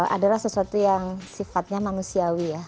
adalah sesuatu yang sifatnya manusiawi ya